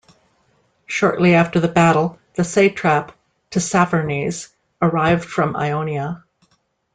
Shortly after the battle, the satrap Tissaphernes arrived from Ionia.